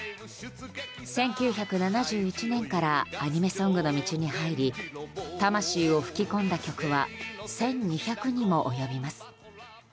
１９７１年からアニメソングの道に入り魂を吹き込んだ曲は１２００にも及びます。